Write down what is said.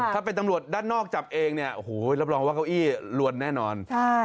ถ้าเป็นตำรวจด้านนอกจับเองเนี่ยโอ้โหรับรองว่าเก้าอี้ลวนแน่นอน